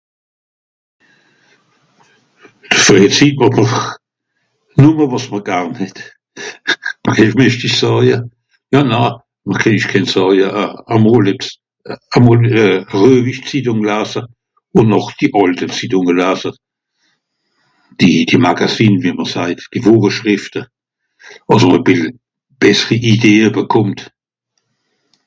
Frèii Zitt ah bah... nùmme wàs mr garn het. jetz mìscht ìch sàia... na, na, geh ìch kén sàia. A mol ebbs, a mol ruehjisch Zitùng lase, ùn noch die àlte Zittùnge lase. Die... die Magazine wie mr sajt, die Bucheschrifte, àss mr e bìssel bessri Idee bekùmmt.